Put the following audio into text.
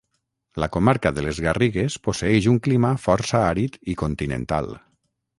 La comarca de les Garrigues posseeix un clima força àrid i continental.